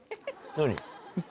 何？